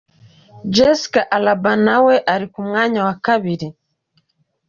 Jessica Alba na we ari ku mwanya wa kabiri.